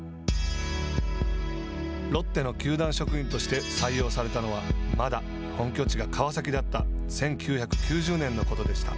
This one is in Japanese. ロッテの球団職員として採用されたのはまだ本拠地が川崎だった１９９０年のことでした。